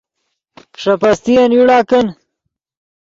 ݰے پستین یوڑا کن